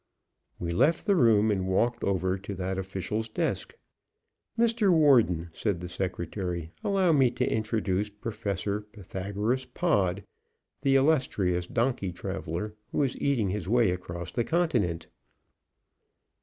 We left the room and walked over to that official's desk. "Mr. Warden," said the secretary, "Allow me to introduce Professor Pythagoras Pod, the illustrious donkey traveler, who is eating his way across the continent."